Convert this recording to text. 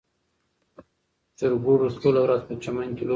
چرګوړو ټوله ورځ په چمن کې لوبې کولې.